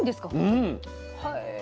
うん。